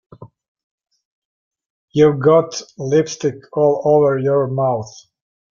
You've got lipstick all over your mouth.